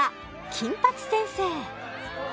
「金八先生」